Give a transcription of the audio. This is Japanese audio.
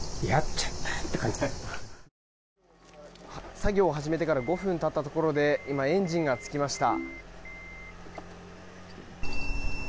作業を始めてから５分たったところで今、エンジンがつきました。